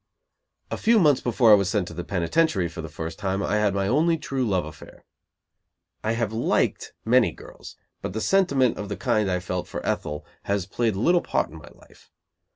A few months before I was sent to the penitentiary for the first time, I had my only true love affair. I have liked many girls, but sentiment of the kind I felt for Ethel has played little part in my life.